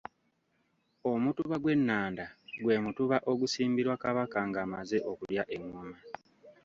Omutuba gw’ennanda gwe mutuba ogusimbirwa Kabaka ng'amaze okulya engoma.